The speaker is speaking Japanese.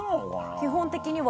基本的には。